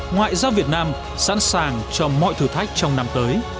ngoại giao việt nam sẵn sàng cho mọi thử thách trong năm tới